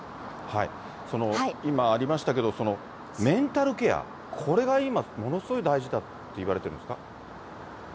今ありましたけど、メンタルケア、これが今、ものすごい大事だって言われてるんですか？